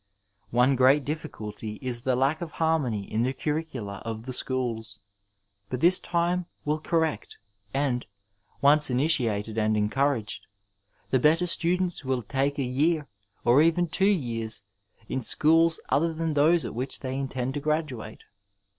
One great difficulty is the lack of harmcMiy in the curricula of the schools, but this time will correct and, once initiated and encouraged, the better students will take a year, or even two years, in schools other than those at which they intend to graduate.